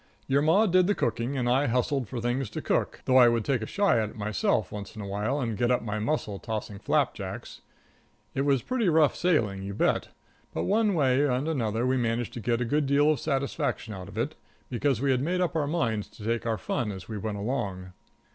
Your Ma did the cooking, and I hustled for things to cook, though I would take a shy at it myself once in a while and get up my muscle tossing flapjacks. It was pretty rough sailing, you bet, but one way and another we managed to get a good deal of satisfaction out of it, because we had made up our minds to take our fun as we went along.